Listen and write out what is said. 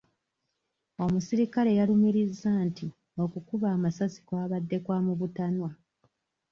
Omusirikale yalumirizza nti okukuba amasasi kwabadde kwa mu butanwa.